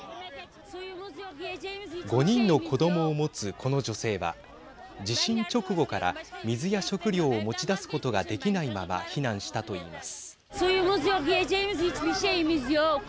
５人の子どもを持つこの女性は地震直後から水や食料を持ち出すことができないまま避難したと言います。